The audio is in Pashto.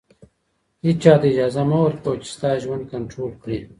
• هېچا ته اجازه مه ورکوه چې ستا ژوند کنټرول کړي.